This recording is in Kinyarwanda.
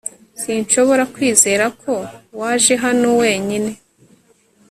Sinshobora kwizera ko waje hano wenyine